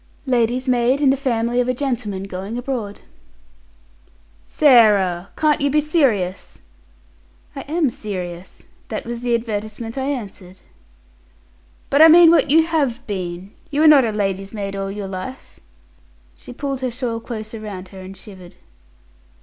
"Lady's maid in the family of a gentleman going abroad." "Sarah, you can't be serious?" "I am serious. That was the advertisement I answered." "But I mean what you have been. You were not a lady's maid all your life?" She pulled her shawl closer round her and shivered.